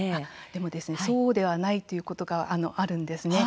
でも、そうではないということがあるんですね。